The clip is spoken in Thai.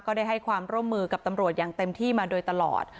ได้ให้ความร่วมมือกับตำรวจอย่างเต็มที่มาโดยตลอด